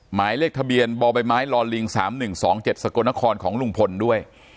หมายเลขทะเบียนบบลล๓๑๒๗สกของลุงพลด้วย